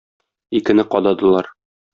Икене кададылар.